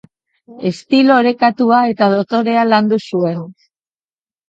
Estilo orekatua eta dotorea landu zuen.